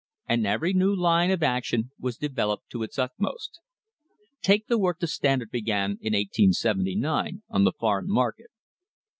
And every new line of action was developed to its utmost. Take the work the Standard began in 1879 on the foreign market.